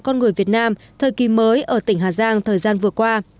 con người việt nam thời kỳ mới ở tỉnh hà giang thời gian vừa qua